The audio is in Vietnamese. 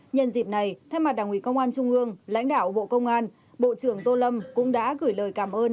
nhân dịp này thay mặt đảng ủy công an trung ương lãnh đạo bộ công an bộ trưởng tô lâm cũng đã gửi lời cảm ơn